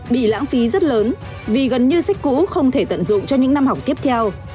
bị lãng phí rất lớn vì gần như sách cũ không thể tận dụng cho những năm học tiếp theo